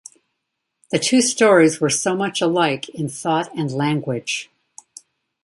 The two stories were so much alike in thought and language.